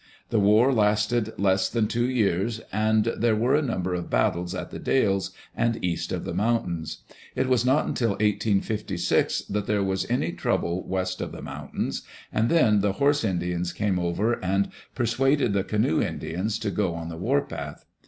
The war lasted less than two years, and there were a number of battles at The Dalles and east of the mountains. It was not until 1856 that there was any trouble west of the mountains, and then the horse Indians came over and persuaded the canoe Indians to go on the warpath.